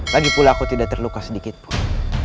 lagi pula aku tidak terluka sedikit pun